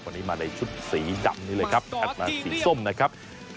วันนี้มาในชุดสีดำนี่เลยครับแอดมาสีส้มนะครับ